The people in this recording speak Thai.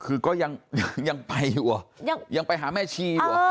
คือก็ยังไปอยู่ยังไปหาแม่ชี้อยู่